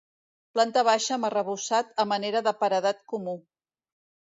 Planta baixa amb arrebossat a manera de paredat comú.